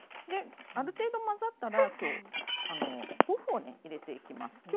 である程度混ざったら今日豆腐をね入れていきます。